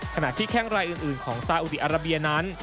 ขณะที่แข้งรายอื่นของซาอุดีอาราเบียนั้น